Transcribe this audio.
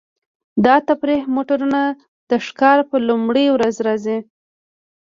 دا تفریحي موټرونه د ښکار په لومړۍ ورځ راځي